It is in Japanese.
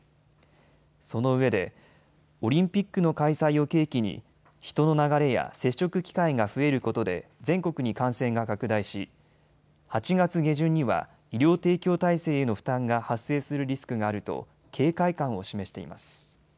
そのうえでオリンピックの開催を契機に人の流れや接触機会が増えることで全国に感染が拡大し８月下旬には医療提供体制への負担が発生するリスクがあると警戒感を示しています。